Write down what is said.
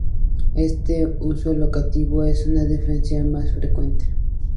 Este uso locativo es con diferencia el más frecuente.